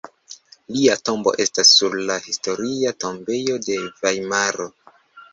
Lia tombo estas sur la Historia tombejo de Vajmaro.